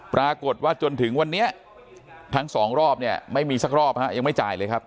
ปรากฏว่าจนถึงวันนี้ทั้งสองรอบเนี่ยไม่มีสักรอบฮะยังไม่จ่ายเลยครับ